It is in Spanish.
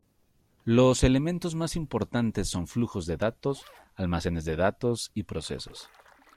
Los elementos más importantes son flujos de datos, almacenes de datos y procesos.